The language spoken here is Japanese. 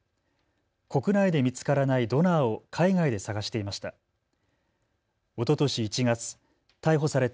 国内で見つからないドナーを海外で探していました。